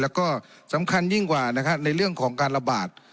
แล้วก็สำคัญยิ่งกว่านะครับในเรื่องของการระบาด